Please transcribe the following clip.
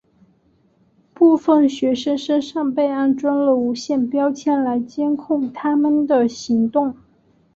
部分学生身上被安装了无线标签来监控他们的行动。